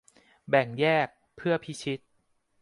แบ่งแยก เพื่อพิชิต